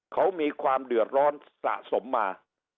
เขามีความเดือดร้อนสะสมมา